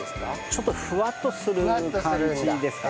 ちょっとふわっとする感じですかね。